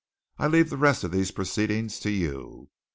"I leave the rest of these proceedings to you.